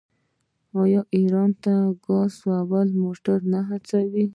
آیا ایران ګازسوز موټرې نه هڅوي؟